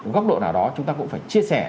góc độ nào đó chúng ta cũng phải chia sẻ